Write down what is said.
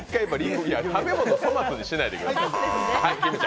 食べ物を粗末にしないでください。